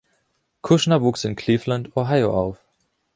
Kushner wuchs in Cleveland, Ohio auf.